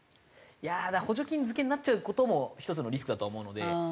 いや補助金漬けになっちゃう事も１つのリスクだとは思うので。